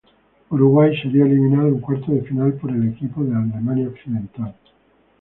Uruguay sería eliminado en cuartos de final por el equipo de Alemania Occidental.